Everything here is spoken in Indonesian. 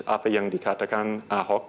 apa yang dikatakan ahok